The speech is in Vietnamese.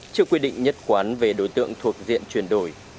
trước quy định nhất quán về đối tượng thuộc diện chuyển đổi